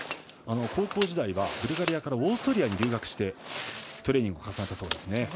高校時代はブルガリアからオーストリアに留学してトレーニングを重ねたそうですね。